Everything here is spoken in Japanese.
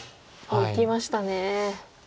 いきましたね。